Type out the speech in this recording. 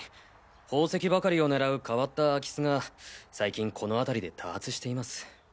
宝石ばかりを狙う変わった空き巣が最近この辺りで多発しています。